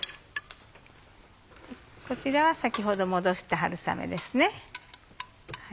こちらは先ほど戻した春雨です。